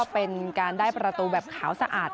เป็นการได้ประตูแบบขาวสะอาด